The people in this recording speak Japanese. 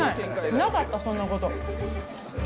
なかった、そんなこと。